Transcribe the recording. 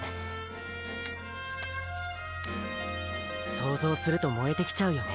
想像すると燃えてきちゃうよね。